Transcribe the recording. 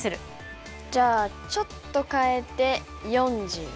じゃあちょっと変えて４０で。